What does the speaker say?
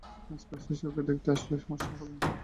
আজ কাজ শেষে ওকে দেখতে আসলে সমস্যা হবে?